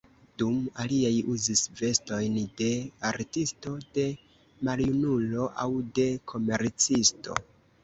Dum aliaj uzis vestojn de artisto, de maljunulo aŭ de komercisto.